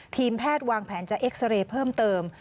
ทีมแพทย์วางแผนจะเอ็กซาเรย์เพิ่มเติม